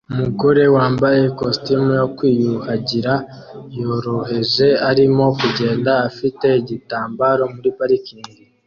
Umugore wambaye ikositimu yo kwiyuhagira yoroheje arimo kugenda afite igitambaro muri parikingi